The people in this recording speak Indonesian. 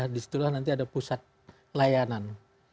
disitulah nanti ada pusat layanan